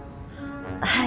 はい。